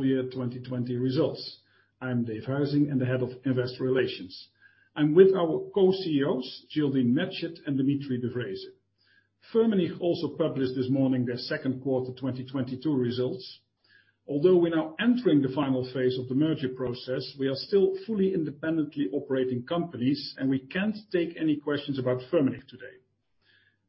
Full year 2020 results. I'm Dave Huizing, Head of Investor Relations. I'm with our Co-CEOs, Geraldine Matchett and Dimitri de Vreeze. Firmenich also published this morning their second quarter 2022 results. Although we're now entering the final phase of the merger process, we are still fully independently operating companies, we can't take any questions about Firmenich today.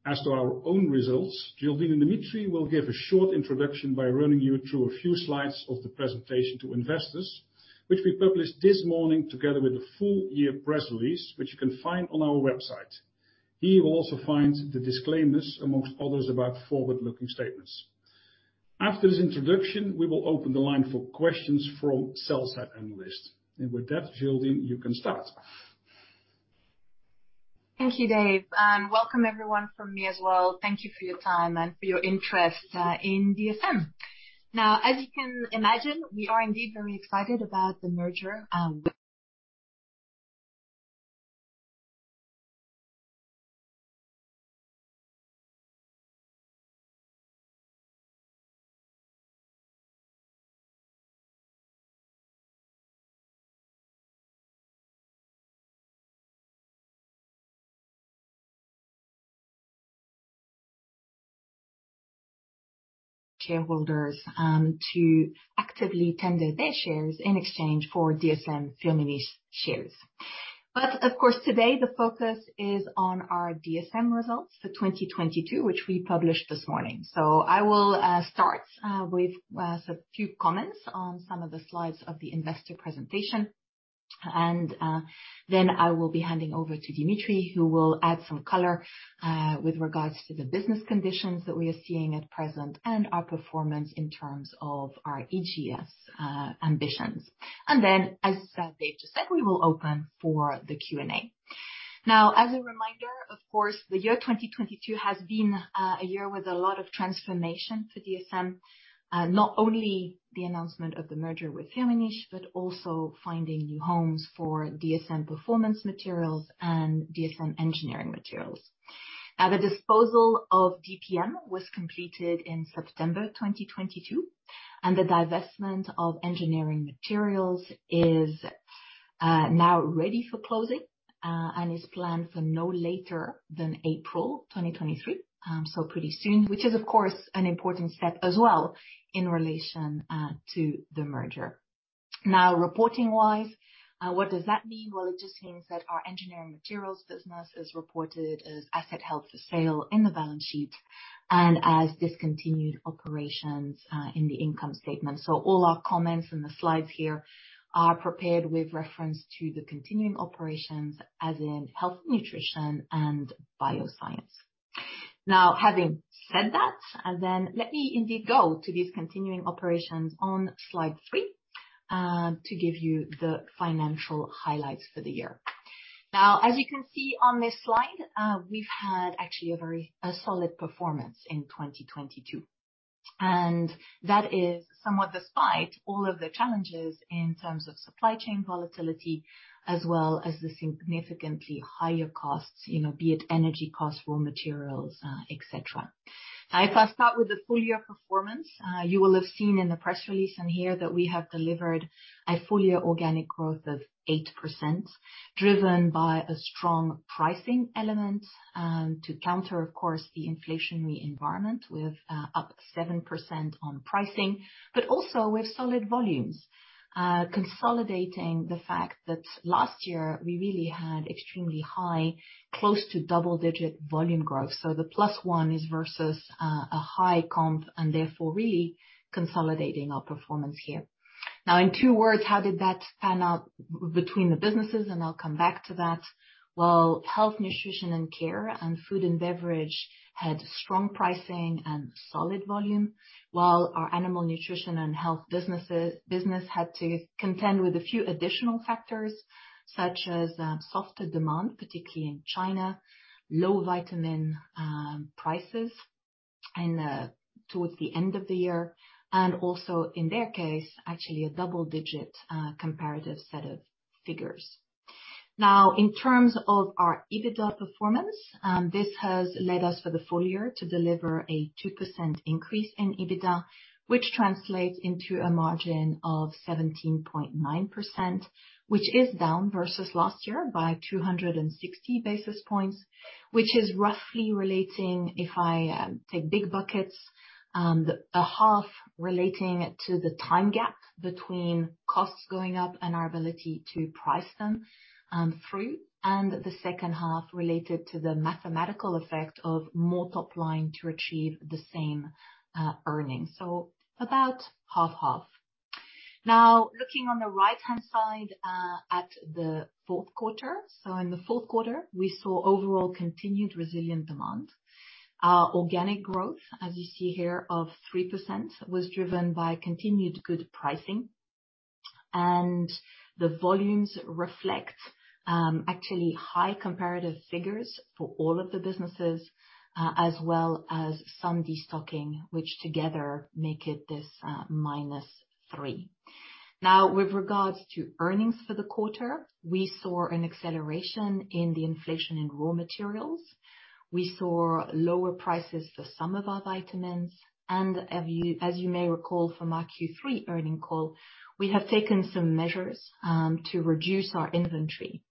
As to our own results, Geraldine and Dimitri will give a short introduction by running you through a few slides of the presentation to investors, which we published this morning together with the full year press release, which you can find on our website. Here you will also find the disclaimers, among others, about forward-looking statements. After this introduction, we will open the line for questions from sell-side analysts. With that, Geraldine, you can start. Thank you, Dave, and welcome everyone from me as well. Thank you for your time and for your interest in dsm. As you can imagine, we are indeed very excited about the merger... Shareholders to actively tender their shares in exchange for dsm-firmenich shares. Of course, today the focus is on our dsm results for 2022, which we published this morning. I will start with a few comments on some of the slides of the investor presentation. Then I will be handing over to Dimitri, who will add some color with regards to the business conditions that we are seeing at present and our performance in terms of our ESG ambitions. Then, as Dave just said, we will open for the Q&A. As a reminder, of course, the year 2022 has been a year with a lot of transformation for dsm. Not only the announcement of the merger with Firmenich, but also finding new homes for dsm Protective Materials and dsm Engineering Materials. The disposal of DPM was completed in September 2022, and the divestment of engineering materials is now ready for closing and is planned for no later than April 2023. So pretty soon, which is, of course, an important step as well in relation to the merger. Reporting-wise, what does that mean? Well, it just means that our engineering materials business is reported as asset held for sale in the balance sheet and as discontinued operations in the income statement. All our comments in the slides here are prepared with reference to the continuing operations as in Health, Nutrition and Bioscience. Having said that, let me indeed go to these continuing operations on slide 3, to give you the financial highlights for the year. As you can see on this slide, we've had actually a very solid performance in 2022, and that is somewhat despite all of the challenges in terms of supply chain volatility as well as the significantly higher costs, you know, be it energy costs, raw materials, et cetera. If I start with the full year performance, you will have seen in the press release and here that we have delivered a full year organic growth of 8%, driven by a strong pricing element, to counter, of course, the inflationary environment. We have, up 7% on pricing, but also with solid volumes, consolidating the fact that last year we really had extremely high, close to double-digit volume growth. The +1 is versus a high comp and therefore really consolidating our performance here. Now, in 2 words, how did that pan out between the businesses? I'll come back to that. Well, Health, Nutrition & Care and food and beverage had strong pricing and solid volume. While our Animal Nutrition & Health business had to contend with a few additional factors, such as softer demand, particularly in China, low vitamin prices and towards the end of the year, and also in their case, actually a double-digit comparative set of figures. In terms of our EBITDA performance, this has led us for the full year to deliver a 2% increase in EBITDA, which translates into a margin of 17.9%, which is down versus last year by 260 basis points. This is roughly relating, if I take big buckets, a half relating to the time gap between costs going up and our ability to price them through. The second half related to the mathematical effect of more top line to achieve the same earnings. About half half. Looking on the right-hand side, at the fourth quarter. In the fourth quarter, we saw overall continued resilient demand. Our organic growth, as you see here, of 3%, was driven by continued good pricing. The volumes reflect actually high comparative figures for all of the businesses, as well as some destocking, which together make it this -3%. With regards to earnings for the quarter, we saw an acceleration in the inflation in raw materials. We saw lower prices for some of our vitamins. As you may recall from our Q3 earning call, we have taken some measures to reduce our inventory.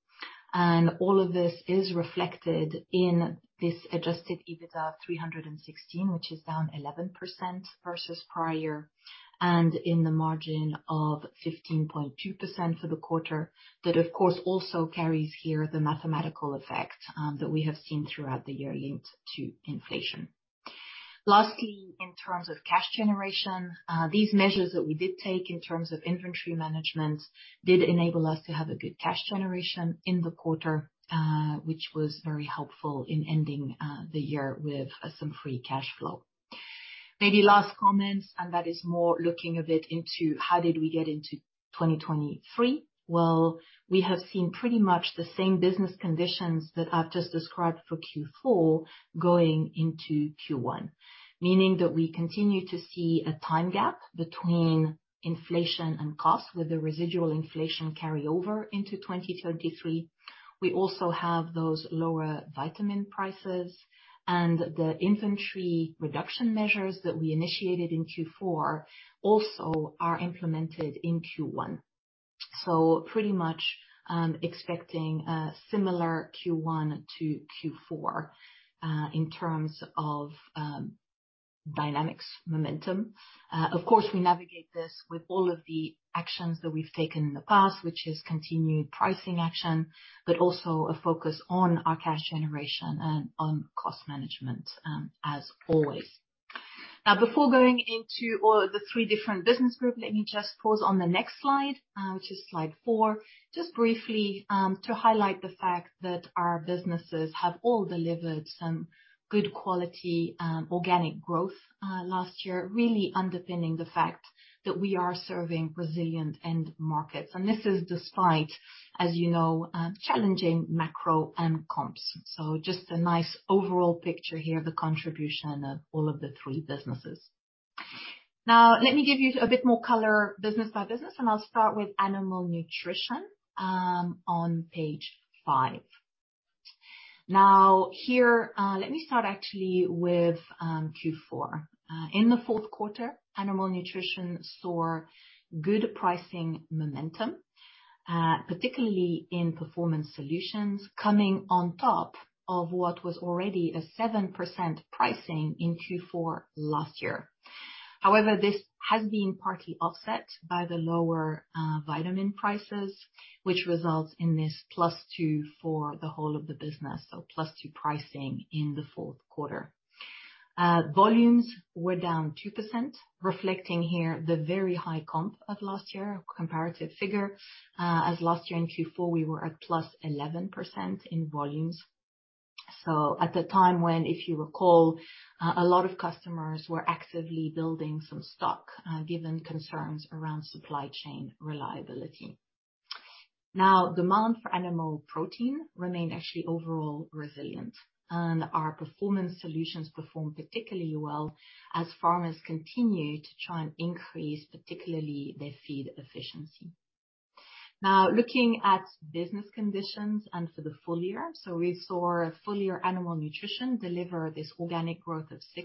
All of this is reflected in this adjusted EBITDA of 316 million, which is down 11% versus prior, and in the margin of 15.2% for the quarter. That of course, also carries here the mathematical effect that we have seen throughout the year linked to inflation. Lastly, in terms of cash generation, these measures that we did take in terms of inventory management did enable us to have a good cash generation in the quarter, which was very helpful in ending the year with some free cash flow. Maybe last comments. That is more looking a bit into how did we get into 2023. We have seen pretty much the same business conditions that I've just described for Q4 going into Q1, meaning that we continue to see a time gap between inflation and cost with the residual inflation carryover into 2023. We also have those lower vitamin prices and the inventory reduction measures that we initiated in Q4 also are implemented in Q1. Pretty much expecting a similar Q1 to Q4 in terms of dynamics momentum. Of course, we navigate this with all of the actions that we've taken in the past, which is continued pricing action, but also a focus on our cash generation and on cost management, as always. Before going into all the 3 different business group, let me just pause on the next slide, which is slide 4. Just briefly, to highlight the fact that our businesses have all delivered some good quality organic growth last year, really underpinning the fact that we are serving resilient end markets. This is despite, as you know, challenging macro and comps. Just a nice overall picture here of the contribution of all of the 3 businesses. Let me give you a bit more color business by business, and I'll start with Animal Nutrition on page 5. Let me start actually with Q4. In the fourth quarter, Animal Nutrition saw good pricing momentum, particularly in Performance Solutions, coming on top of what was already a 7% pricing in Q4 last year. However, this has been partly offset by the lower vitamin prices, which results in this +2 for the whole of the business. +2 pricing in the fourth quarter. Volumes were down 2%, reflecting here the very high comp of last year comparative figure, as last year in Q4 we were at +11% in volumes. At the time when, if you recall, a lot of customers were actively building some stock, given concerns around supply chain reliability. Demand for animal protein remained actually overall resilient and our Performance Solutions performed particularly well as farmers continue to try and increase particularly their feed efficiency. Looking at business conditions and for the full year. We saw full year Animal Nutrition deliver this organic growth of 6%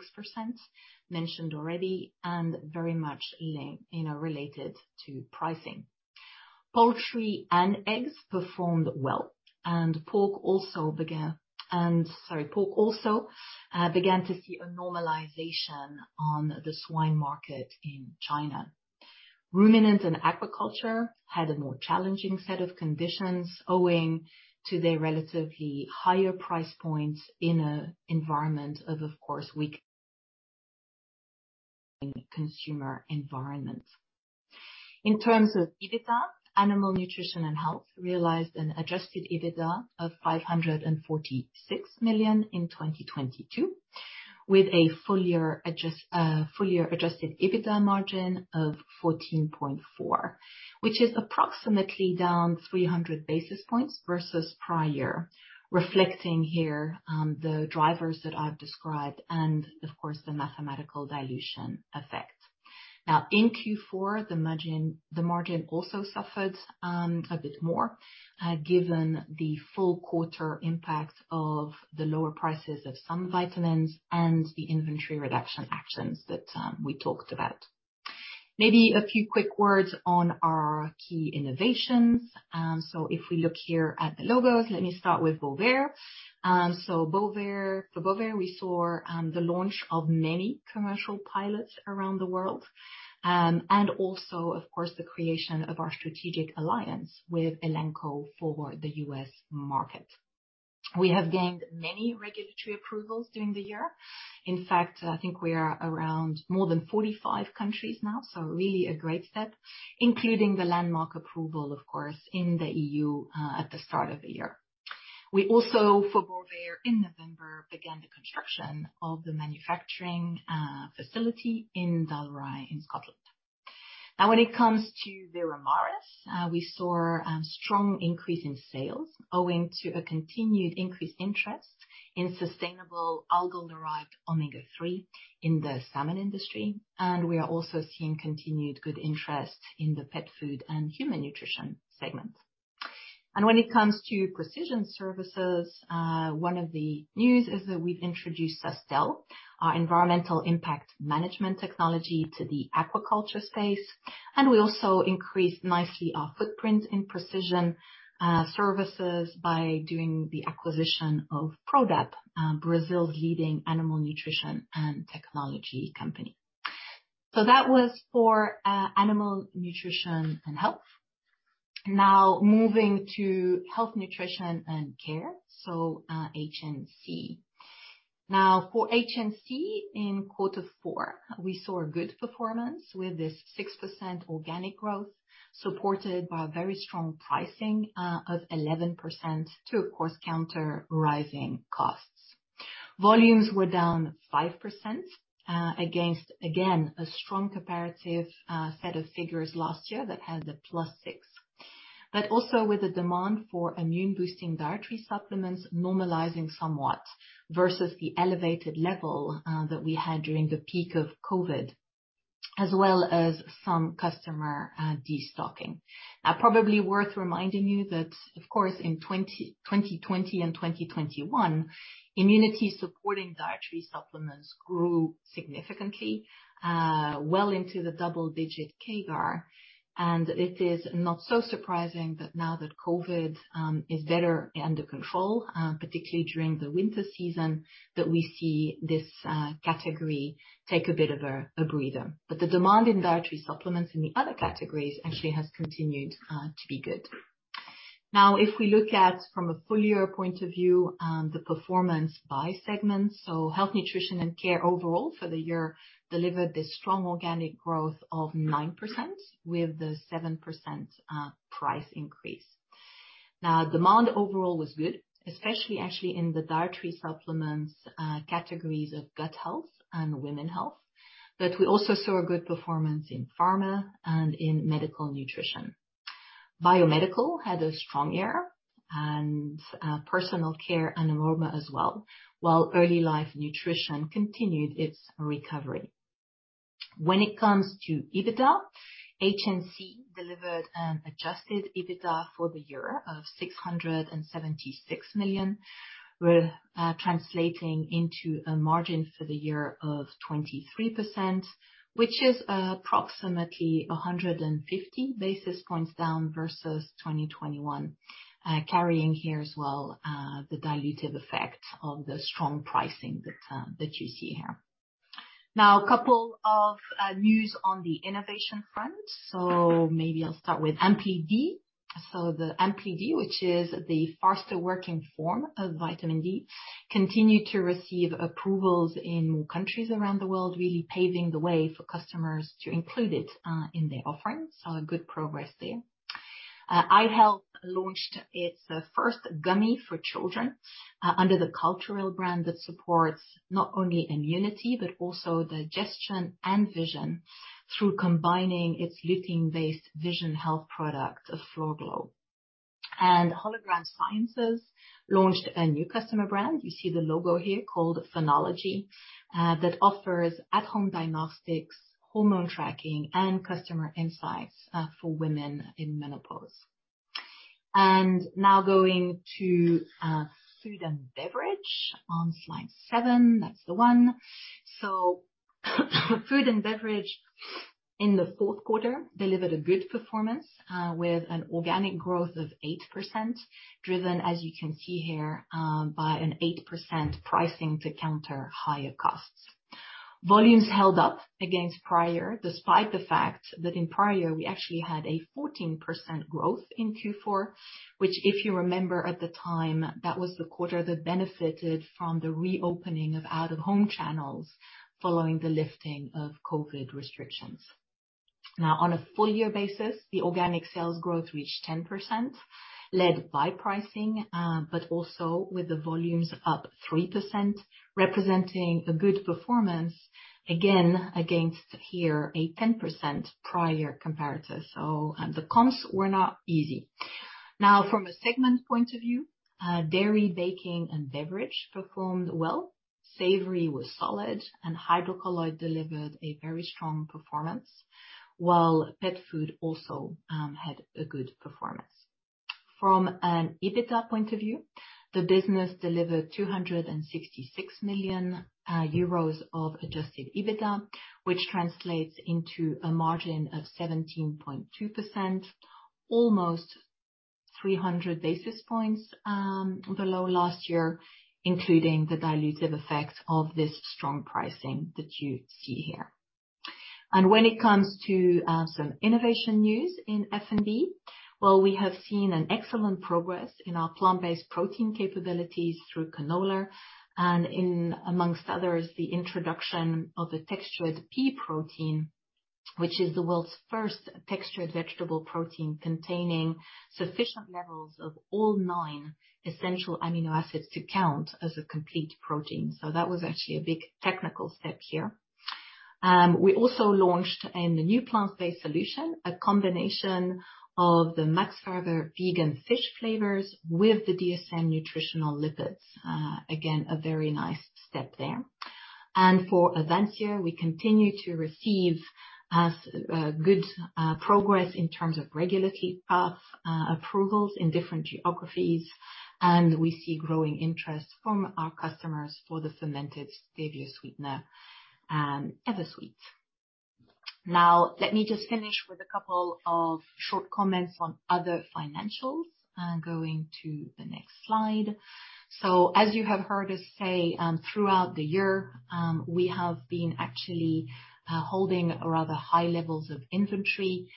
mentioned already and very much in, you know, related to pricing. Poultry and eggs performed well. Pork also, sorry, pork also began to see a normalization on the swine market in China. Ruminant and aquaculture had a more challenging set of conditions owing to their relatively higher price points in an environment of course, weak consumer environment. In terms of EBITDA, Animal Nutrition and Health realized an adjusted EBITDA of 546 million in 2022 with a full year adjusted EBITDA margin of 14.4%. Which is approximately down 300 basis points versus prior, reflecting here, the drivers that I've described and of course the mathematical dilution effect. In Q4, the margin also suffered a bit more, given the full quarter impacts of the lower prices of some vitamins and the inventory reduction actions that we talked about. Maybe a few quick words on our key innovations. If we look here at the logos, let me start with Bovaer. For Bovaer we saw the launch of many commercial pilots around the world. Also of course the creation of our strategic alliance with Elanco for the U.S. market. We have gained many regulatory approvals during the year. In fact, I think we are around more than 45 countries now. Really a great step, including the landmark approval of course in the EU, at the start of the year. We also for Bovaer in November began the construction of the manufacturing facility in Dalry in Scotland. When it comes to Veramaris, we saw strong increase in sales owing to a continued increased interest in sustainable algal-derived omega-3 in the salmon industry. We are also seeing continued good interest in the pet food and human nutrition segment. When it comes to precision services, one of the news is that we've introduced Sustell, our environmental impact management technology to the aquaculture space, and we also increased nicely our footprint in precision services by doing the acquisition of Prodap, Brazil's leading animal nutrition and technology company. That was for Animal Nutrition & Health. Moving to Health, Nutrition & Care, so HNC. For HNC in quarter four, we saw good performance with this 6% organic growth, supported by very strong pricing of 11% to, of course, counter rising costs. Volumes were down 5% against, again, a strong comparative set of figures last year that had a +6. Also with the demand for immune-boosting dietary supplements normalizing somewhat versus the elevated level that we had during the peak of COVID, as well as some customer destocking. Probably worth reminding you that, of course, in 2020 and 2021, immunity-supporting dietary supplements grew significantly well into the double-digit CAGR. It is not so surprising that now that COVID is better under control, particularly during the winter season, that we see this category take a bit of a breather. The demand in dietary supplements in the other categories actually has continued to be good. If we look at from a full year point of view, the performance by segment. Health, Nutrition & Care overall for the year delivered this strong organic growth of 9% with the 7% price increase. Demand overall was good, especially actually in the dietary supplements categories of gut health and women health. We also saw a good performance in pharma and in medical nutrition. Biomedical had a strong year and personal care and aroma as well, while early life nutrition continued its recovery. When it comes to EBITDA, HNC delivered an adjusted EBITDA for the year of 676 million, translating into a margin for the year of 23%, which is approximately 150 basis points down versus 2021. Carrying here as well, the dilutive effect of the strong pricing that you see here. A couple of news on the innovation front. Maybe I'll start with ampli-D. The ampli-D, which is the faster working form of vitamin D, continued to receive approvals in more countries around the world, really paving the way for customers to include it in their offerings. Good progress there. i-Health launched its first gummy for children under the Culturelle brand that supports not only immunity but also digestion and vision through combining its lutein-based vision health product, FloraGLO. Hologram Sciences launched a new customer brand, you see the logo here, called Phenology, that offers at home diagnostics, hormone tracking, and customer insights for women in menopause. Now going to food and beverage on slide 7. That's the one. Food and beverage in the fourth quarter delivered a good performance, with an organic growth of 8%, driven, as you can see here, by an 8% pricing to counter higher costs. Volumes held up against prior, despite the fact that in prior we actually had a 14% growth in Q4, which, if you remember at the time, that was the quarter that benefited from the reopening of out of home channels following the lifting of Covid restrictions. On a full year basis, the organic sales growth reached 10%, led by pricing, but also with the volumes up 3%, representing a good performance, again, against here a 10% prior comparator. The comps were not easy. From a segment point of view, dairy, baking, and beverage performed well. Savory was solid and hydrocolloid delivered a very strong performance, while pet food also had a good performance. From an EBITDA point of view, the business delivered 266 million euros of adjusted EBITDA, which translates into a margin of 17.2%, almost 300 basis points below last year, including the dilutive effect of this strong pricing that you see here. When it comes to some innovation news in F&B, well, we have seen excellent progress in our plant-based protein capabilities through Canola and in, amongst others, the introduction of a textured pea protein, which is the world's first textured vegetable protein containing sufficient levels of all nine essential amino acids to count as a complete protein. That was actually a big technical step here. We also launched a new plant-based solution, a combination of the Maxavor vegan fish flavors with the dsm nutritional lipids. Again, a very nice step there. For Avansya, we continue to receive good progress in terms of regulatory path approvals in different geographies, and we see growing interest from our customers for the fermented stevia sweetener, EverSweet. Now let me just finish with a couple of short comments on other financials. Going to the next slide. As you have heard us say, throughout the year, we have been actually holding rather high levels of inventory,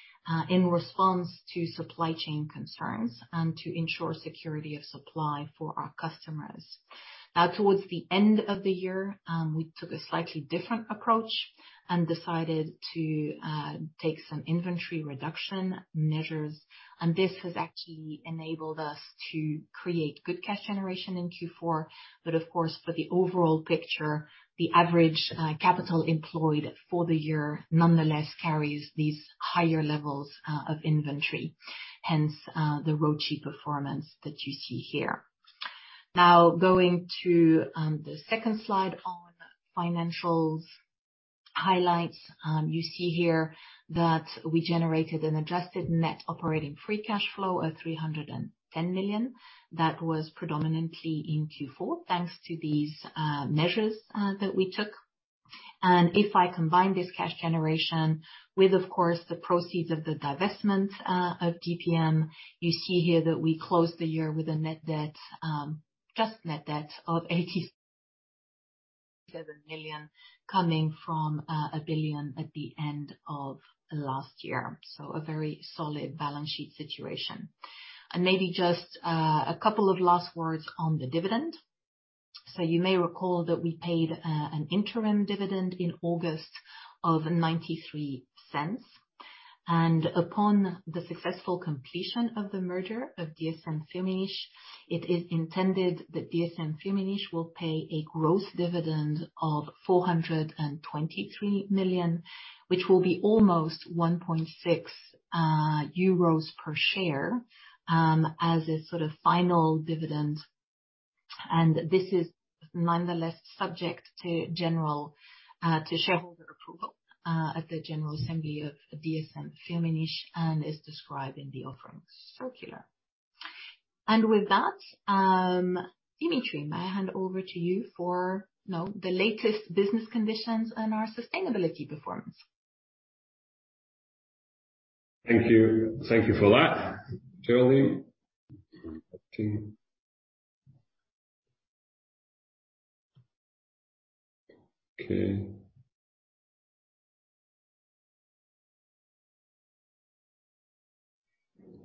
in response to supply chain concerns and to ensure security of supply for our customers. Towards the end of the year, we took a slightly different approach and decided to take some inventory reduction measures, and this has actually enabled us to create good cash generation in Q4. Of course, for the overall picture, the average capital employed for the year nonetheless carries these higher levels of inventory, hence, the ROIC performance that you see here. Going to the second slide on financials highlights. You see here that we generated an adjusted net operating free cash flow of 310 million. That was predominantly in Q4, thanks to these measures that we took. If I combine this cash generation with, of course, the proceeds of the divestment of DPM, you see here that we closed the year with a net debt, just net debt of 87 million coming from 1 billion at the end of last year. A very solid balance sheet situation. Maybe just a couple of last words on the dividend. You may recall that we paid an interim dividend in August of 0.93. Upon the successful completion of the merger of dsm-firmenich, it is intended that dsm-firmenich will pay a gross dividend of 423 million, which will be almost 1.6 euros per share as a sort of final dividend. This is nonetheless subject to general, to shareholder approval, at the general assembly of dsm-firmenich and is described in the offering circular. With that, Dimitri, may I hand over to you for, you know, the latest business conditions and our sustainability performance. Thank you. Thank you for that, Geraldine. Okay.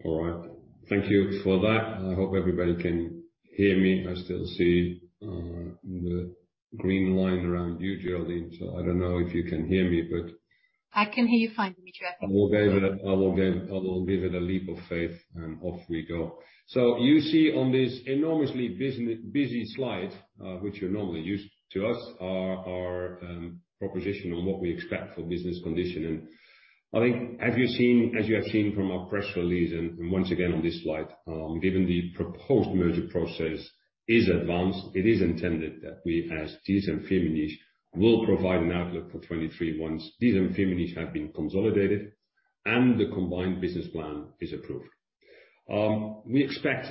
All right. Thank you for that. I hope everybody can hear me. I still see the green line around you, Geraldine, so I don't know if you can hear me. I can hear you fine, Dimitri. I will give it a leap of faith. Off we go. You see on this enormously busy slide, which you're normally used to us, our proposition on what we expect for business condition. I think as you have seen from our press release and once again on this slide, given the proposed merger process is advanced, it is intended that we, as dsm-firmenich, will provide an outlook for 23 once dsm-firmenich have been consolidated and the combined business plan is approved. We expect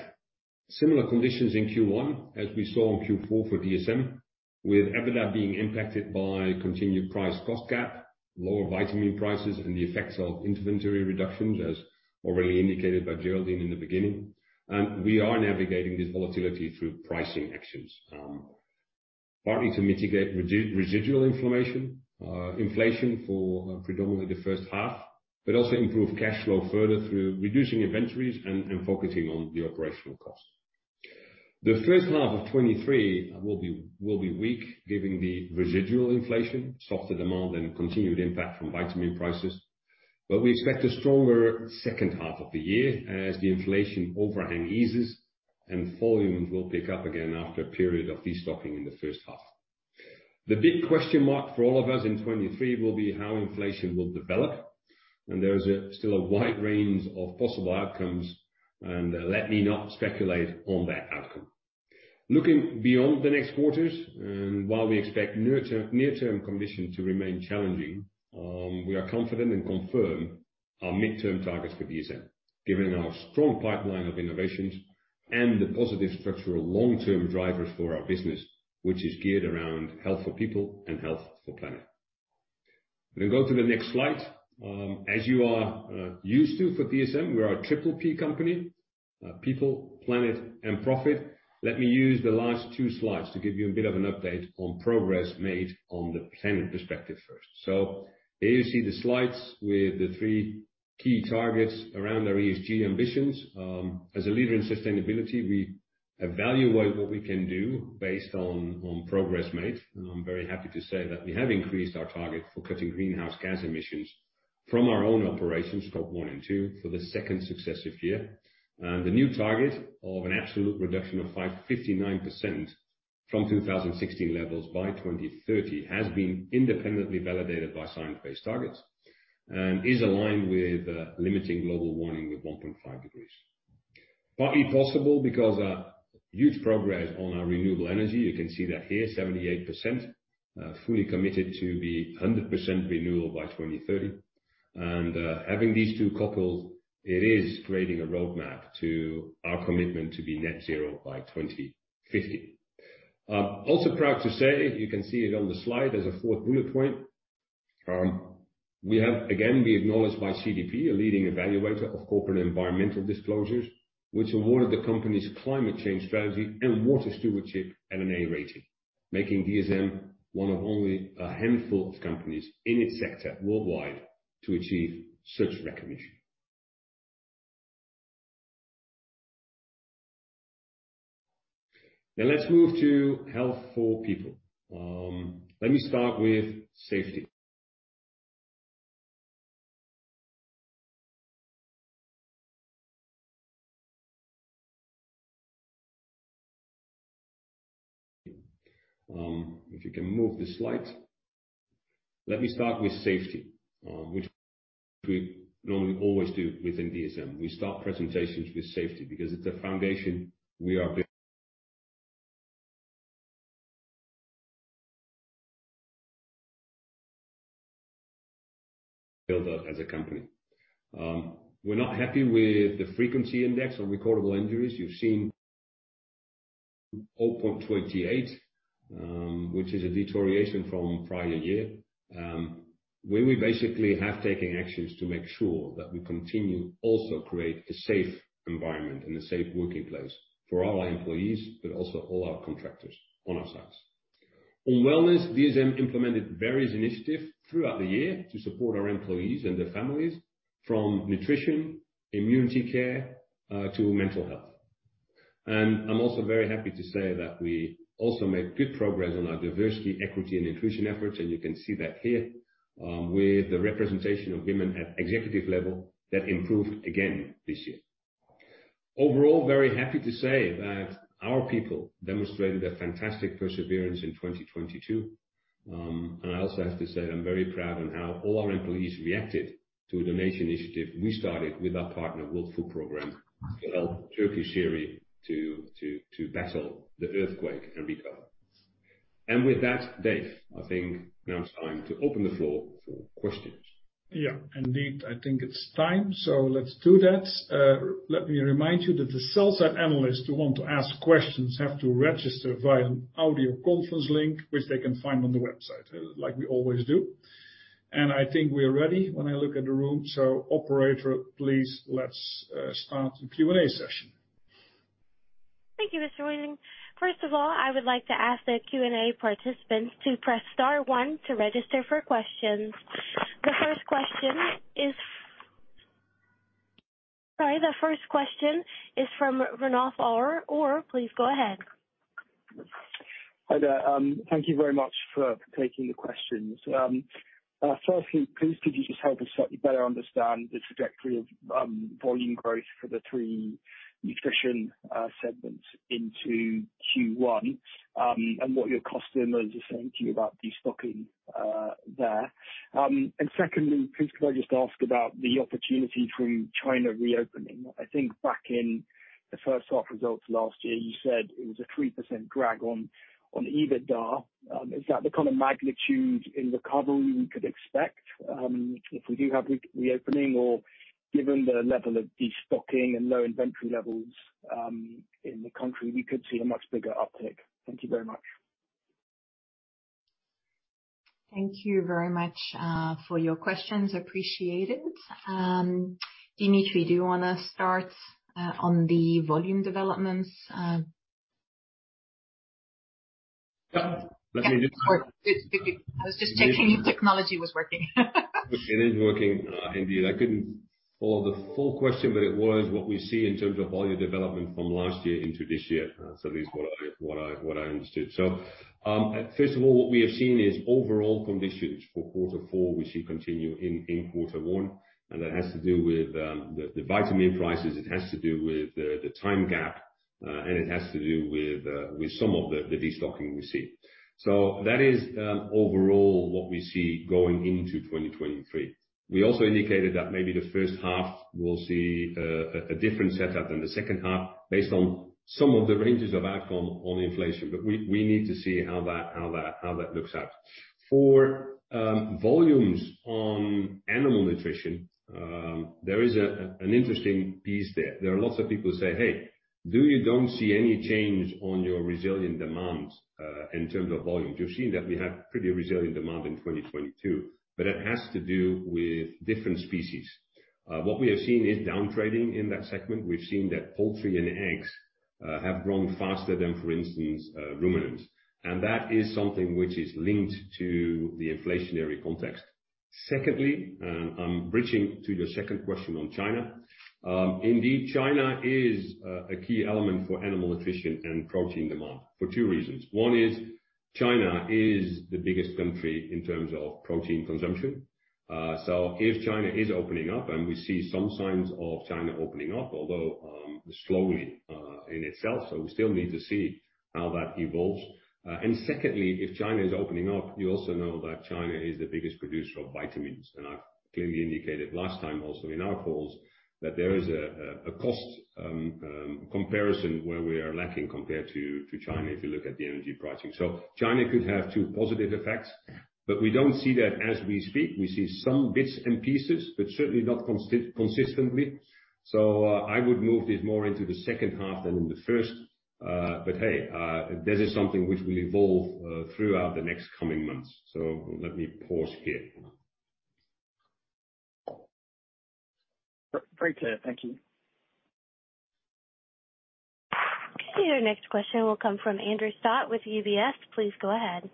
similar conditions in Q1 as we saw in Q4 for dsm, with EBITDA being impacted by continued price cost gap, lower vitamin prices, and the effects of inventory reductions, as already indicated by Geraldine in the beginning. We are navigating this volatility through pricing actions, partly to mitigate residual inflation for predominantly the first half, but also improve cash flow further through reducing inventories and focusing on the operational costs. The first half of 23 will be weak given the residual inflation, softer demand, and continued impact from vitamin prices. We expect a stronger second half of the year as the inflation overhang eases and volumes will pick up again after a period of destocking in the first half. The big question mark for all of us in 23 will be how inflation will develop, and there is a, still a wide range of possible outcomes, and let me not speculate on that outcome. Looking beyond the next quarters, while we expect near-term conditions to remain challenging, we are confident and confirm our midterm targets for dsm, given our strong pipeline of innovations and the positive structural long-term drivers for our business, which is geared around health for people and health for planet. We'll go to the next slide. As you are used to for dsm, we are a triple P company: people, planet, and profit. Let me use the last two slides to give you a bit of an update on progress made on the planet perspective first. There you see the slides with the three key targets around our ESG ambitions. As a leader in sustainability, we evaluate what we can do based on progress made. I'm very happy to say that we have increased our target for cutting greenhouse gas emissions. From our own operations, Scope 1 and 2, for the second successive year. The new target of an absolute reduction of 59% from 2016 levels by 2030 has been independently validated by Science Based Targets and is aligned with limiting global warming with 1.5 degrees. Partly possible because of huge progress on our renewable energy. You can see that here, 78%, fully committed to be 100% renewable by 2030. Having these two coupled, it is creating a roadmap to our commitment to be net zero by 2050. Also proud to say, you can see it on the slide as a fourth bullet point, we have again been acknowledged by CDP, a leading evaluator of corporate environmental disclosures, which awarded the company's climate change strategy and water stewardship an A rating, making dsm one of only a handful of companies in its sector worldwide to achieve such recognition. Now let's move to Health for People. Let me start with safety. If you can move the slide. Let me start with safety, which we normally always do within dsm. We start presentations with safety because it's a foundation we are building, builder as a company. We're not happy with the frequency index on recordable injuries. You've seen all point 28, which is a deterioration from prior year, when we basically have taken actions to make sure that we continue also create a safe environment and a safe working place for all our employees, but also all our contractors on our sites. On wellness, dsm implemented various initiatives throughout the year to support our employees and their families from nutrition, immunity care, to mental health. I'm also very happy to say that we also made good progress on our diversity, equity, and inclusion efforts. You can see that here, with the representation of women at executive level, that improved again this year. Overall, very happy to say that our people demonstrated a fantastic perseverance in 2022. I also have to say I'm very proud on how all our employees reacted to a donation initiative we started with our partner, World Food Programme, to battle the earthquake and recover. With that, Dave, I think now it's time to open the floor for questions. Yeah. Indeed. I think it's time, so let's do that. Let me remind you that the sell-side analysts who want to ask questions have to register via an audio conference link, which they can find on the website, like we always do. I think we're ready when I look at the room. Operator, please let's start the Q&A session. Thank you, Mr. Huizing. First of all, I would like to ask the Q&A participants to press star 1 to register for questions. Sorry. The first question is from Ranulf Orr. Orr, please go ahead. Hi there. Thank you very much for taking the questions. Firstly, please, could you just help us slightly better understand the trajectory of volume growth for the three nutrition segments into Q1, and what your customers are saying to you about destocking there? Secondly, please, could I just ask about the opportunity from China reopening? I think back in the first half results last year, you said it was a 3% drag on EBITDA. Is that the kind of magnitude in recovery we could expect if we do have reopening or given the level of destocking and low inventory levels in the country, we could see a much bigger uptick? Thank you very much. Thank you very much, for your questions. Appreciated. Dimitri, do you wanna start, on the volume developments? Yeah. Let me. I was just checking if technology was working. It is working. Indeed. I couldn't follow the full question, but it was what we see in terms of volume development from last year into this year. At least what I understood. First of all, what we have seen is overall conditions for quarter four, we should continue in quarter one, and that has to do with the vitamin prices, it has to do with the time gap, and it has to do with some of the destocking we see. That is overall what we see going into 2023. We also indicated that maybe the first half we'll see a different setup than the second half based on some of the ranges of outcome on inflation. We need to see how that looks at. For volumes on animal nutrition, there is an interesting piece there. There are lots of people who say, "Hey, you don't see any change on your resilient demands in terms of volumes?" You've seen that we have pretty resilient demand in 2022, it has to do with different species. What we have seen is downtrading in that segment. We've seen that poultry and eggs have grown faster than, for instance, ruminants. That is something which is linked to the inflationary context. Secondly, I'm bridging to your second question on China. Indeed, China is a key element for animal nutrition and protein demand for 2 reasons. 1 is, China is the biggest country in terms of protein consumption. If China is opening up, and we see some signs of China opening up, although, slowly, in itself, we still need to see how that evolves. Secondly, if China is opening up, you also know that China is the biggest producer of vitamins. I've clearly indicated last time also in our calls that there is a cost comparison where we are lacking compared to China, if you look at the energy pricing. China could have two positive effects, but we don't see that as we speak. We see some bits and pieces, but certainly not consistently. I would move this more into the second half than in the first. But hey, this is something which will evolve throughout the next coming months. Let me pause here. Very clear. Thank you. Okay, your next question will come from Andrew Stott with UBS. Please go ahead.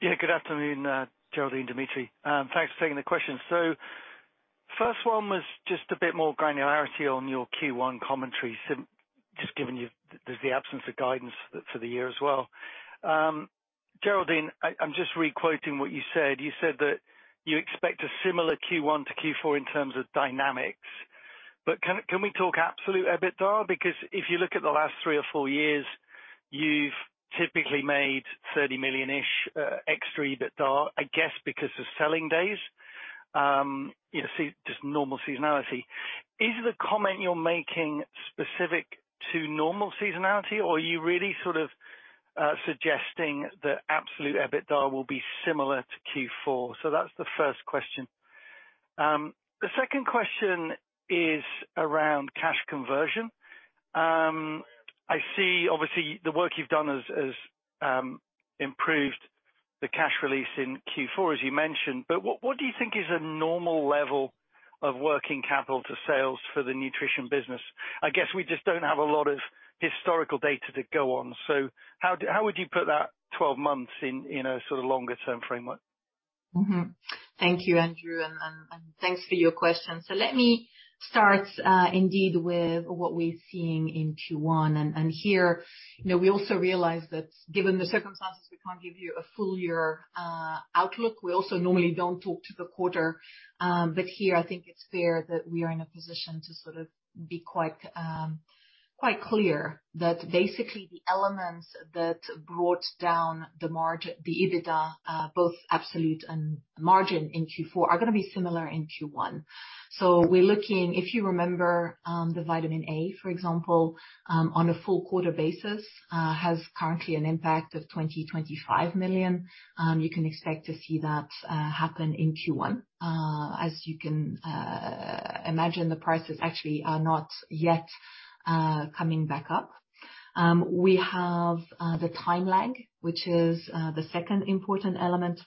Good afternoon, Geraldine, Dimitri. Thanks for taking the questions. First one was just a bit more granularity on your Q1 commentary, just given there's the absence of guidance for the year as well. Geraldine, I'm just re-quoting what you said. You said that you expect a similar Q1 to Q4 in terms of dynamics. Can we talk absolute EBITDA? If you look at the last three or four years, you've typically made 30 million-ish extra EBITDA, I guess, because of selling days. You know, just normal seasonality. Is the comment you're making specific to normal seasonality, or are you really sort of suggesting that absolute EBITDA will be similar to Q4? That's the first question. The second question is around cash conversion. I see obviously the work you've done has improved the cash release in Q4, as you mentioned, what do you think is a normal level of working capital to sales for the nutrition business? I guess we just don't have a lot of historical data to go on. How would you put that 12 months in a sort of longer term framework? Thank you, Andrew, and thanks for your question. Let me start indeed with what we're seeing in Q1. Here, you know, we also realize that given the circumstances, we can't give you a full year outlook. We also normally don't talk to the quarter. Here I think it's fair that we are in a position to sort of be quite clear that basically the elements that brought down the EBITDA, both absolute and margin in Q4 are gonna be similar in Q1. We're looking, if you remember, the vitamin A, for example, on a full quarter basis, has currently an impact of 20 million-25 million. You can expect to see that happen in Q1. As you can imagine, the prices actually are not yet coming back up. We have the time lag, which is the second important element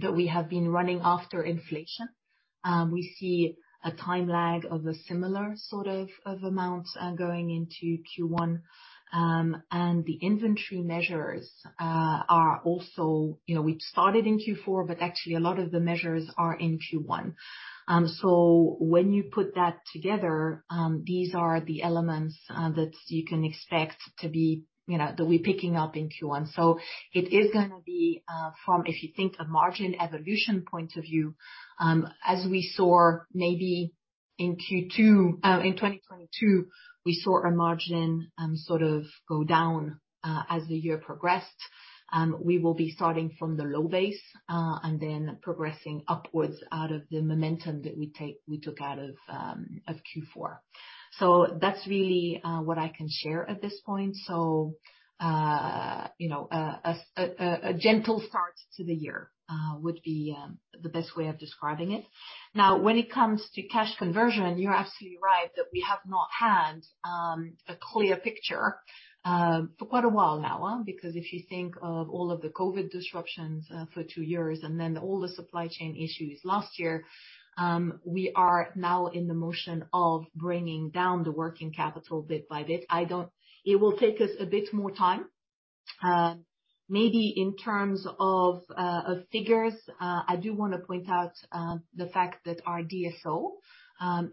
that we have been running after inflation. We see a time lag of a similar sort of amount going into Q1. And the inventory measures are also... You know, we started in Q4, but actually a lot of the measures are in Q1. When you put that together, these are the elements that you can expect to be, you know, that we're picking up in Q1. It is gonna be from, if you think, a margin evolution point of view, as we saw maybe in Q2 in 2022, we saw our margin sort of go down as the year progressed. We will be starting from the low base, and then progressing upwards out of the momentum that we took out of Q4. That's really what I can share at this point. You know, a gentle start to the year would be the best way of describing it. Now, when it comes to cash conversion, you're absolutely right that we have not had a clear picture for quite a while now. If you think of all of the COVID disruptions, for two years and then all the supply chain issues last year, we are now in the motion of bringing down the working capital bit by bit. It will take us a bit more time. Maybe in terms of figures, I do wanna point out the fact that our DSO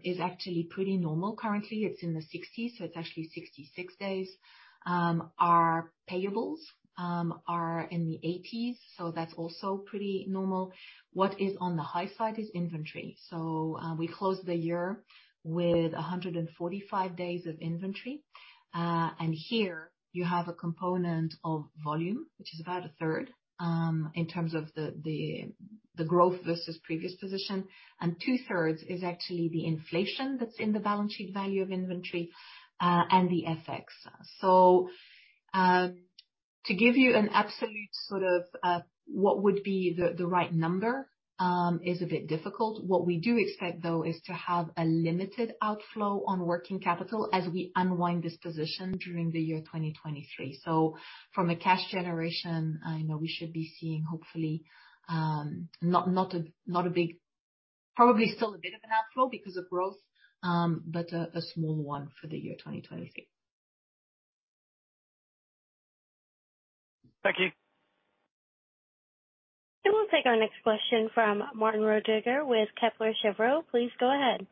is actually pretty normal currently. It's in the 60s, so it's actually 66 days. Our payables are in the 80s, so that's also pretty normal. What is on the high side is inventory. We closed the year with 145 days of inventory. Here you have a component of volume, which is about 1/3, in terms of the growth versus previous position. 2/3 is actually the inflation that's in the balance sheet value of inventory, and the FX. To give you an absolute sort of, what would be the right number, is a bit difficult. What we do expect, though, is to have a limited outflow on working capital as we unwind this position during the year 2023. From a cash generation, I know we should be seeing hopefully, probably still a bit of an outflow because of growth, but a small one for the year 2023. Thank you. We'll take our next question from Martin Roediger with Kepler Cheuvreux. Please go ahead.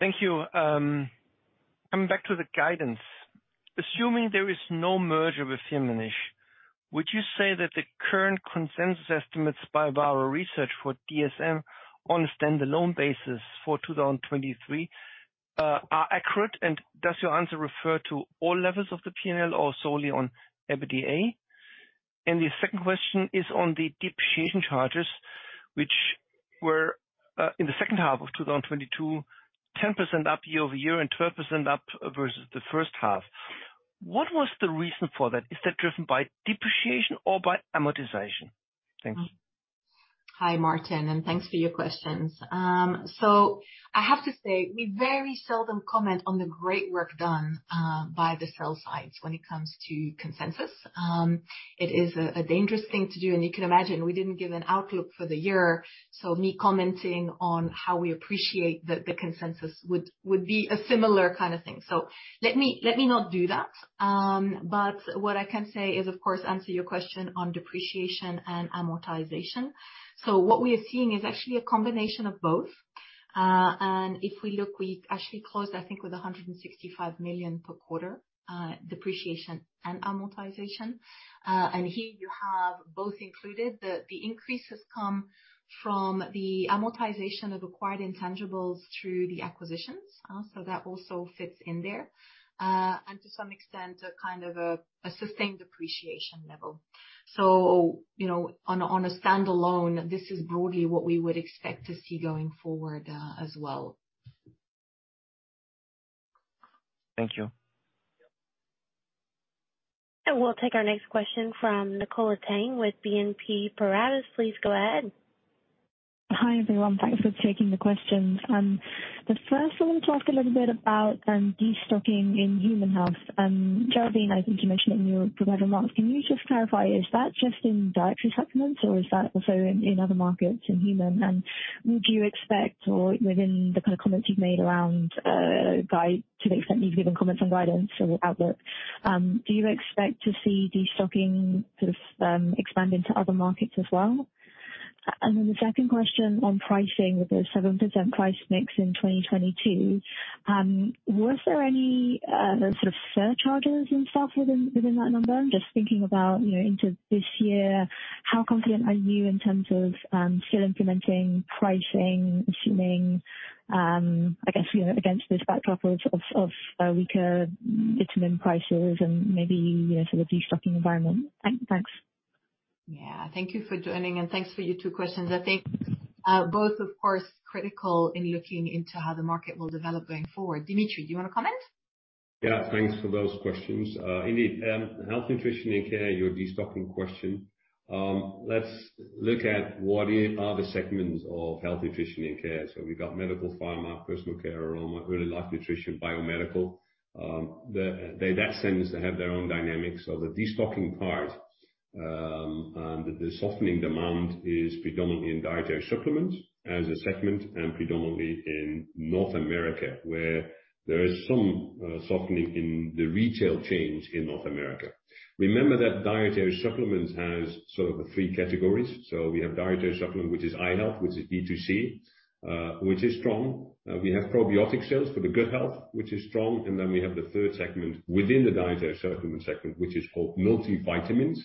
Thank you. Coming back to the guidance, assuming there is no merger with Firmenich, would you say that the current consensus estimates by Vara Research for dsm on a standalone basis for 2023 are accurate? Does your answer refer to all levels of the P&L or solely on EBITDA? The second question is on the depreciation charges, which were in the second half of 2022, 10% up year-over-year and 12% up versus the first half. What was the reason for that? Is that driven by depreciation or by amortization? Thanks. Hi, Martin, and thanks for your questions. I have to say, we very seldom comment on the great work done by the sell side when it comes to consensus. It is a dangerous thing to do, and you can imagine we didn't give an outlook for the year, so me commenting on how we appreciate the consensus would be a similar kind of thing. Let me not do that. What I can say is, of course, answer your question on depreciation and amortization. What we are seeing is actually a combination of both. If we look, we actually closed, I think, with 165 million per quarter depreciation and amortization. Here you have both included. The increase has come from the amortization of acquired intangibles through the acquisitions. That also fits in there. To some extent, a kind of a sustained depreciation level. You know, on a, on a standalone, this is broadly what we would expect to see going forward, as well. Thank you. We'll take our next question from Nicola Tang with BNP Paribas. Please go ahead. Hi, everyone. Thanks for taking the questions. First I wanna talk a little bit about destocking in human health. Geraldine, I think you mentioned it in your provider remarks. Can you just clarify, is that just in dietary supplements or is that also in other markets in human? Would you expect or within the kind of comments you've made around to the extent you've given comments on guidance or outlook, do you expect to see destocking sort of expand into other markets as well? The second question on pricing with the 7% price mix in 2022, was there any sort of surcharges and stuff within that number? Just thinking about, you know, into this year, how confident are you in terms of still implementing pricing, assuming, I guess, you know, against this backdrop of weaker vitamin prices and maybe, you know, sort of destocking environment? Thanks. Yeah. Thank you for joining, and thanks for your two questions. I think both of course critical in looking into how the market will develop going forward. Dimitri, do you wanna comment? Thanks for those questions. Indeed, Health, Nutrition & Care, your destocking question, let's look at what are the segments of Health, Nutrition & Care. We've got medical pharma, personal care, aroma, early life nutrition, biomedical. They in that sense have their own dynamics. The destocking part, the softening demand is predominantly in dietary supplements as a segment and predominantly in North America, where there is some softening in the retail chains in North America. Remember that dietary supplements has sort of three categories. We have dietary supplement, which is i-Health, which is D2C, which is strong. We have probiotic sales for the good health, which is strong. Then we have the third segment within the dietary supplement segment, which is called multivitamins.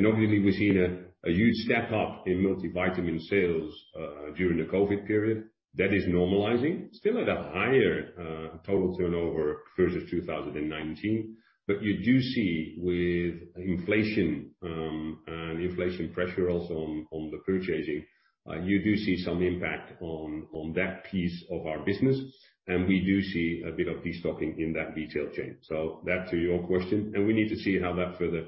Normally, we're seeing a huge step up in multivitamin sales during the COVID period. That is normalizing. Still at a higher total turnover versus 2019. You do see with inflation, and inflation pressure also on the purchasing, you do see some impact on that piece of our business, and we do see a bit of destocking in that retail chain. That to your question, and we need to see how that further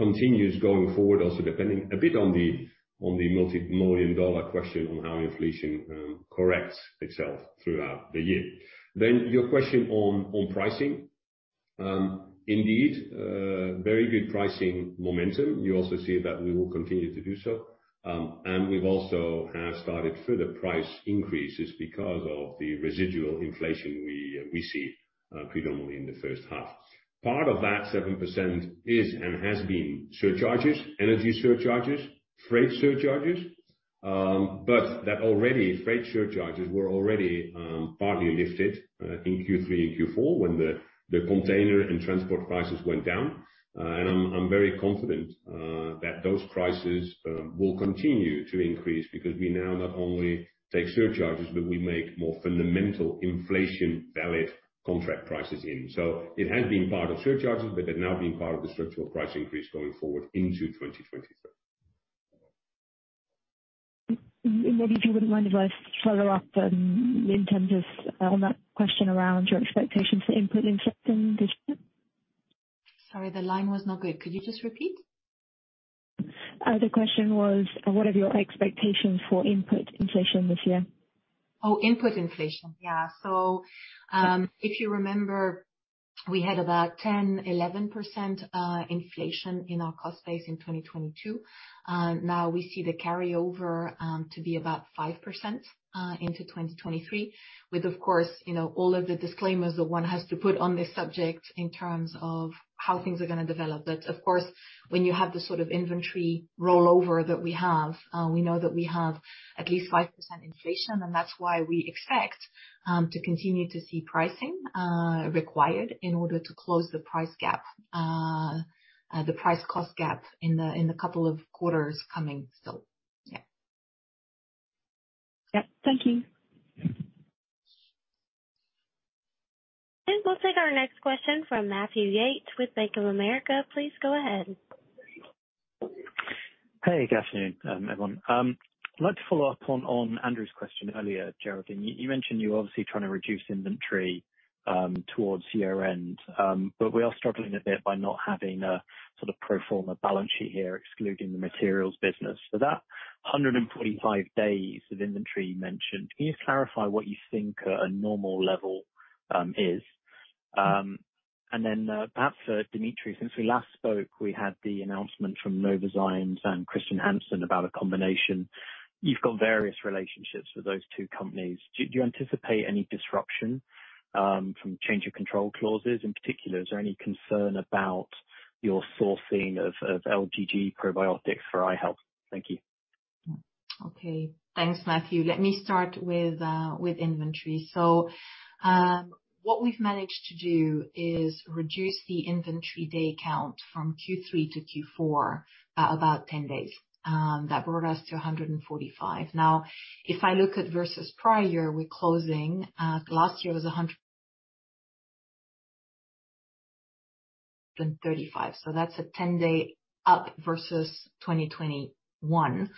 continues going forward, also depending a bit on the multimillion dollar question on how inflation corrects itself throughout the year. Your question on pricing. Indeed, very good pricing momentum. You also see that we will continue to do so. We've also have started further price increases because of the residual inflation we see predominantly in the first half. Part of that 7% is and has been surcharges, energy surcharges, freight surcharges, but that already freight surcharges were already partly lifted in Q3 and Q4 when the container and transport prices went down. I'm very confident that those prices will continue to increase because we now not only take surcharges, but we make more fundamental inflation valid contract prices in. It has been part of surcharges, but they're now being part of the structural price increase going forward into 2023. Maybe if you wouldn't mind if I follow up, in terms of on that question around your expectations for input inflation this year. Sorry, the line was not good. Could you just repeat? The question was, what are your expectations for input inflation this year? Input inflation. Yeah. We had about 10%, 11% inflation in our cost base in 2022. Now we see the carryover to be about 5% into 2023. With, of course, you know, all of the disclaimers that one has to put on this subject in terms of how things are gonna develop. Of course, when you have the sort of inventory rollover that we have, we know that we have at least 5% inflation, and that's why we expect to continue to see pricing required in order to close the price gap. The price cost gap in a couple of quarters coming. Yeah. Yep. Thank you. We'll take our next question from Matthew Yates with Bank of America. Please go ahead. Hey, good afternoon, everyone. I'd like to follow up on Andrew's question earlier, Geraldine. You mentioned you're obviously trying to reduce inventory towards year-end, but we are struggling a bit by not having a sort of pro forma balance sheet here excluding the materials business. That 145 days of inventory you mentioned, can you clarify what you think a normal level is? And then, perhaps for Dimitri, since we last spoke, we had the announcement from Novozymes and Chr. Hansen about a combination. You've got various relationships with those two companies. Do you anticipate any disruption from change of control clauses? In particular, is there any concern about your sourcing of LGG probiotics for i-Health? Thank you. Okay. Thanks, Matthew. Let me start with inventory. What we've managed to do is reduce the inventory day count from Q3 to Q4 by about 10 days. That brought us to 145. If I look at versus prior, we're closing, last year was 135. That's a 10-day up versus 2021.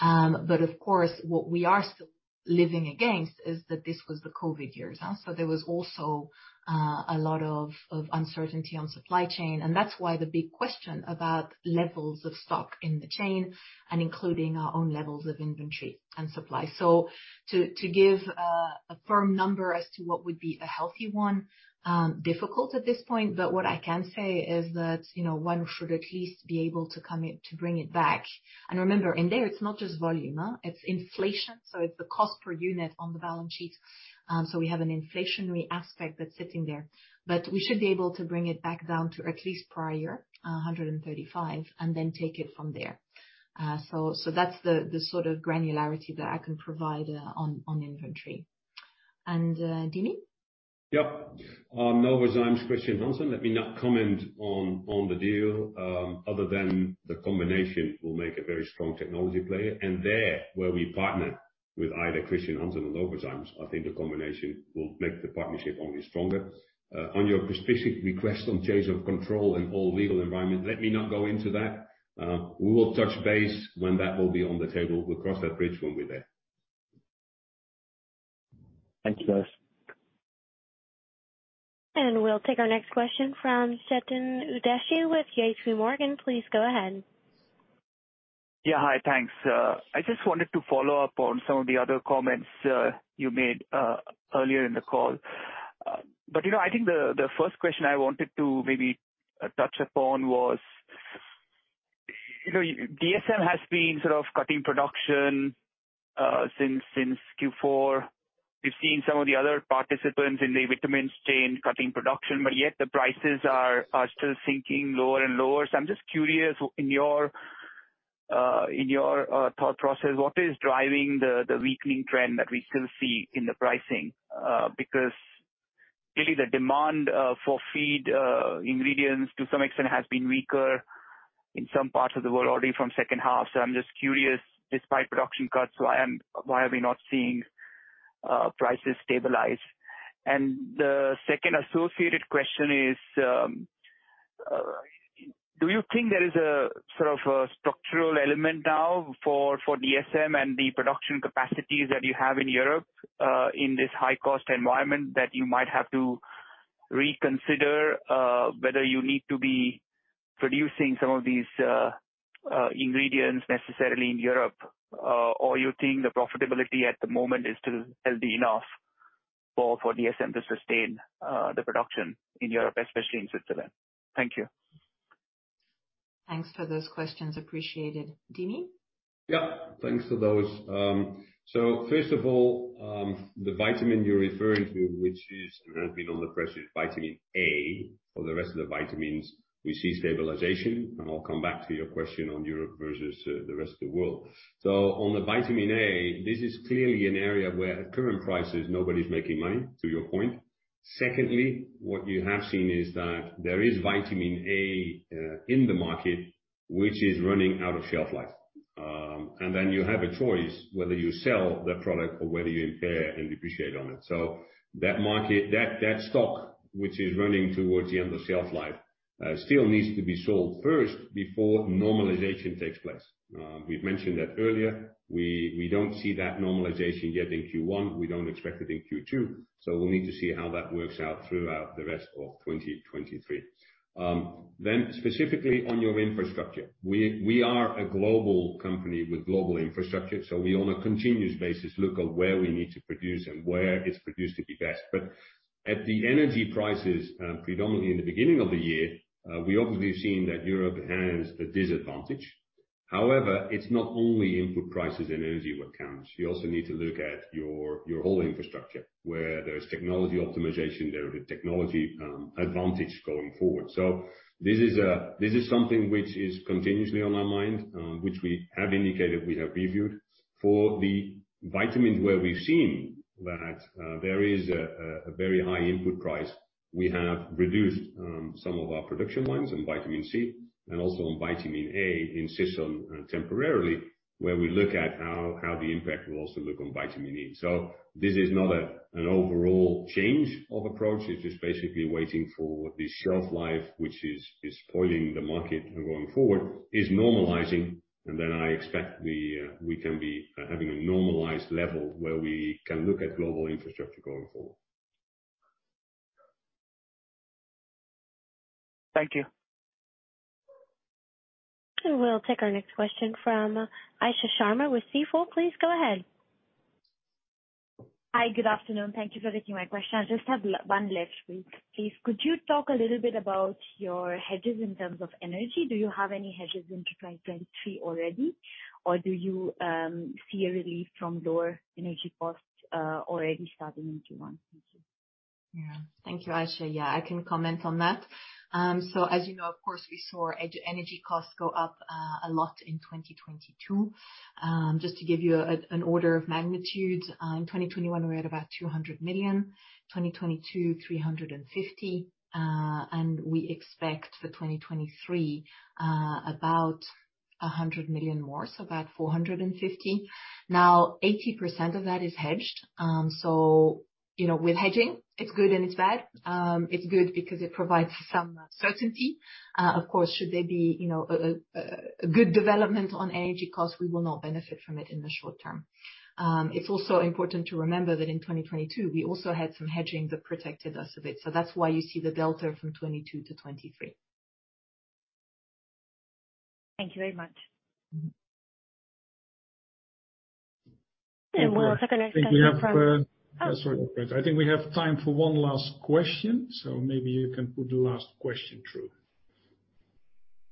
Of course, what we are still living against is that this was the COVID years, there was also a lot of uncertainty on supply chain, and that's why the big question about levels of stock in the chain and including our own levels of inventory and supply. To give a firm number as to what would be a healthy one, difficult at this point, but what I can say is that, you know, one should at least be able to come in to bring it back. Remember, in there, it's not just volume, huh? It's inflation, so it's the cost per unit on the balance sheet. We have an inflationary aspect that's sitting there. We should be able to bring it back down to at least prior 135, and then take it from there. That's the sort of granularity that I can provide on inventory. Dimi? Yep. On Novozymes' Chr. Hansen, let me not comment on the deal, other than the combination will make a very strong technology player. There, where we partner with either Chr. Hansen or Novozymes, I think the combination will make the partnership only stronger. On your specific request on change of control and whole legal environment, let me not go into that. We will touch base when that will be on the table. We'll cross that bridge when we're there. Thank you both. We'll take our next question from Chetan Udeshi with J.P. Morgan. Please go ahead. Yeah. Hi. Thanks. I just wanted to follow up on some of the other comments you made earlier in the call. But, you know, I think the first question I wanted to maybe touch upon was, you know, dsm has been sort of cutting production since Q4. We've seen some of the other participants in the vitamin chain cutting production, but yet the prices are still sinking lower and lower. I'm just curious, in your thought process, what is driving the weakening trend that we still see in the pricing? Because really the demand for feed ingredients to some extent has been weaker in some parts of the world already from second half. I'm just curious, despite production cuts, why are we not seeing prices stabilize? The second associated question is, do you think there is a sort of a structural element now for dsm and the production capacities that you have in Europe, in this high cost environment, that you might have to reconsider whether you need to be producing some of these ingredients necessarily in Europe, or you think the profitability at the moment is still healthy enough for dsm to sustain the production in Europe, especially in Switzerland? Thank you. Thanks for those questions. Appreciated. Dimi? Yeah. Thanks for those. First of all, the vitamin you're referring to, which has been under pressure, is vitamin A. For the rest of the vitamins, we see stabilization, and I'll come back to your question on Europe versus the rest of the world. On the vitamin A, this is clearly an area where at current prices, nobody's making money, to your point. Secondly, what you have seen is that there is vitamin A in the market, which is running out of shelf life. And then you have a choice whether you sell the product or whether you impair and depreciate on it. That stock, which is running towards the end of shelf life, still needs to be sold first before normalization takes place. We've mentioned that earlier. We don't see that normalization yet in Q1. We don't expect it in Q2. We'll need to see how that works out throughout the rest of 2023. Then specifically on your infrastructure, we are a global company with global infrastructure, we on a continuous basis look at where we need to produce and where it's produced to be best. At the energy prices, predominantly in the beginning of the year, we obviously have seen that Europe has a disadvantage. However, it's not only input prices and energy what counts. You also need to look at your whole infrastructure, where there's technology optimization, there is technology, advantage going forward. This is something which is continuously on our mind, which we have indicated we have reviewed. For the vitamins where we've seen that there is a very high input price, we have reduced some of our production lines in vitamin C and also in vitamin A in season temporarily, where we look at how the impact will also look on vitamin E. This is not an overall change of approach. It's just basically waiting for the shelf life, which is spoiling the market and going forward, is normalizing, and then I expect we can be having a normalized level where we can look at global infrastructure going forward. Thank you. We'll take our next question from Isha Sharma with Stifel. Please go ahead. Hi, good afternoon. Thank you for taking my question. I just have one last one please. Could you talk a little bit about your hedges in terms of energy? Do you have any hedges into 2023 already? Or do you see a relief from lower energy costs already starting in Q1? Thank you. Thank you, Isha. I can comment on that. As you know, of course, we saw energy costs go up a lot in 2022. Just to give you an order of magnitude, in 2021 we were at about 200 million, 2022, 350 million. We expect for 2023, about 100 million more, so about 450 million. 80% of that is hedged. You know, with hedging, it's good and it's bad. It's good because it provides some certainty. Of course, should there be, you know, a good development on energy costs, we will not benefit from it in the short term. It's also important to remember that in 2022, we also had some hedging that protected us a bit. That's why you see the delta from 2022 to 2023. Thank you very much. Mm-hmm. We'll take our next question from. I think we have. Sorry. I think we have time for one last question. Maybe you can put the last question through.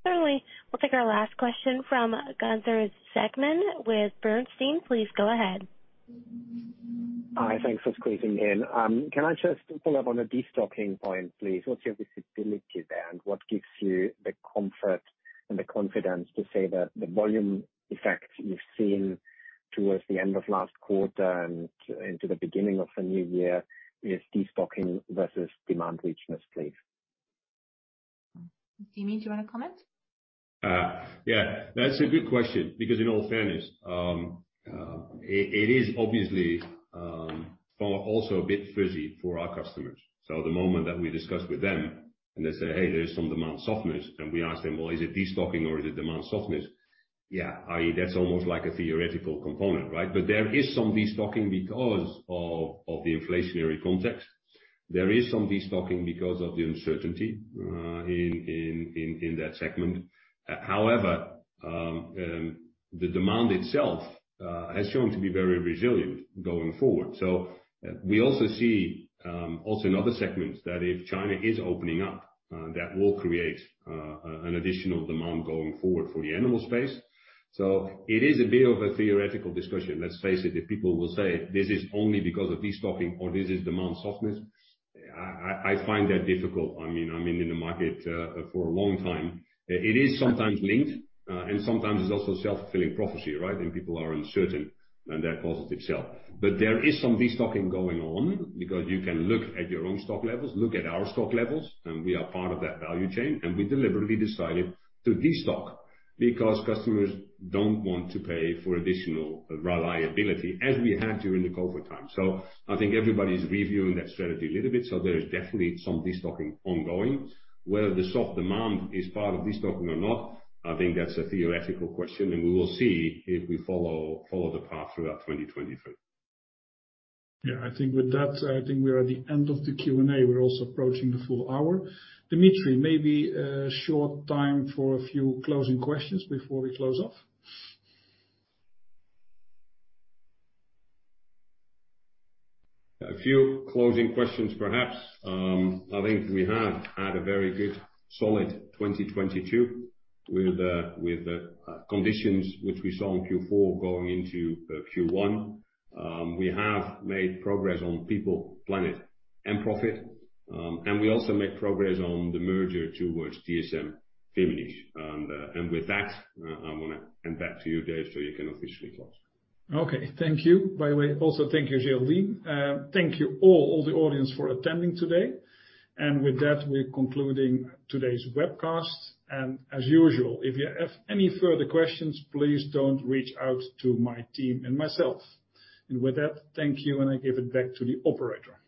Certainly. We'll take our last question from Gunther Zechmann with Bernstein. Please go ahead. Hi. Thanks for squeezing me in. Can I just follow up on the destocking point, please? What's your visibility there? What gives you the comfort and the confidence to say that the volume effect you've seen towards the end of last quarter and into the beginning of the new year is destocking versus demand weakness, please? Dimitri, do you wanna comment? Yeah. That's a good question because in all fairness, it is obviously also a bit fuzzy for our customers. The moment that we discuss with them and they say, "Hey, there's some demand softness," and we ask them, "Well, is it destocking or is it demand softness?" Yeah. I mean, that's almost like a theoretical component, right? There is some destocking because of the inflationary context. There is some destocking because of the uncertainty in that segment. However, the demand itself has shown to be very resilient going forward. We also see also in other segments that if China is opening up, that will create an additional demand going forward for the animal space. It is a bit of a theoretical discussion. Let's face it, if people will say this is only because of destocking or this is demand softness, I find that difficult. I mean, I'm in the market for a long time. It is sometimes linked, and sometimes it's also self-fulfilling prophecy, right? When people are uncertain, then that causes itself. There is some destocking going on because you can look at your own stock levels, look at our stock levels, and we are part of that value chain, and we deliberately decided to destock because customers don't want to pay for additional reliability as we had during the COVID time. I think everybody's reviewing that strategy a little bit. There is definitely some destocking ongoing. Whether the soft demand is part of destocking or not, I think that's a theoretical question. We will see if we follow the path throughout 2023. Yeah. I think with that, I think we are at the end of the Q&A. We're also approaching the full hour. Dimitri, maybe a short time for a few closing questions before we close off. A few closing questions, perhaps. I think we have had a very good solid 2022 with the conditions which we saw in Q4 going into Q1. We have made progress on people, planet, and profit. We also made progress on the merger towards dsm-firmenich. With that, I'm gonna hand back to you, Dave, so you can officially close. Okay. Thank you. By the way, also thank you, Geraldine. Thank you all the audience for attending today. With that, we're concluding today's webcast. As usual, if you have any further questions, please don't reach out to my team and myself. With that, thank you, and I give it back to the operator.